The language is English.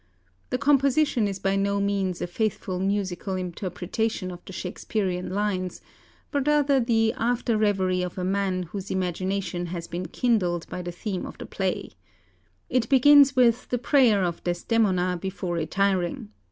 The composition is by no means a faithful musical interpretation of the Shakespearean lines, but rather the after revery of a man whose imagination has been kindled by the theme of the play. It begins with ... the prayer of Desdemona before retiring.